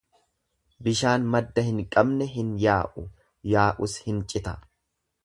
Bishaan madda hin qabne hin yaa'u, yaa'us hin cita.